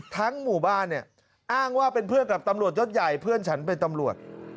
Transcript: หมู่บ้านเนี่ยอ้างว่าเป็นเพื่อนกับตำรวจยศใหญ่เพื่อนฉันเป็นตำรวจ